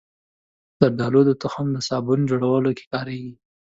زردالو تخم د صابون جوړولو کې کارېږي.